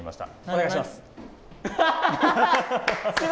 お願いします。